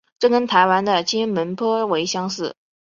这跟台湾的金门颇为相似。